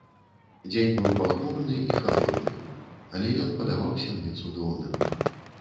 Дзень быў пахмурны і халодны, але ён падаваўся мне цудоўным.